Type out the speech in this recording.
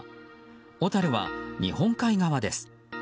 小樽は日本海側です。